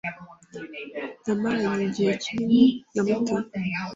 Namaranye igihe kinini na Mutoni.